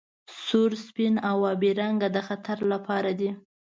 سور سپین او ابي رنګ د خطر لپاره دي.